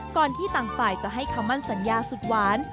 ที่ต่างฝ่ายจะให้คำมั่นสัญญาสุดหวาน